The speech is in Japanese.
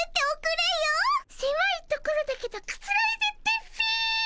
せまいところだけどくつろいでってっピィ。